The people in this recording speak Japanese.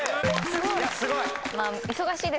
すごい！